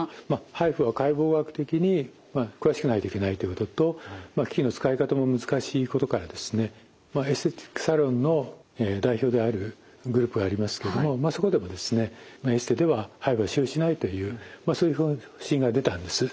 ＨＩＦＵは解剖学的に詳しくないといけないということと機器の使い方も難しいことからエステティックサロンの代表であるグループがありますけどもそこでもエステではＨＩＦＵは使用しないというそういう指針が出たんです。